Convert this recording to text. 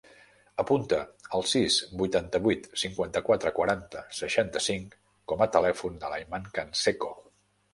Apunta el sis, vuitanta-vuit, cinquanta-quatre, quaranta, seixanta-cinc com a telèfon de l'Ayman Canseco.